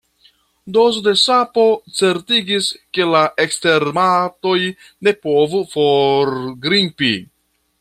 Dozo da sapo certigis, ke la ekstermatoj ne povu forgrimpi.